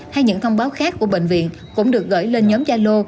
hay những thông báo khác của bệnh viện cũng được gửi lên nhóm yalo